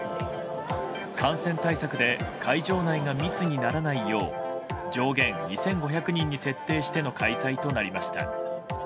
感染対策で会場内が密にならないよう上限２５００人に設定しての開催となりました。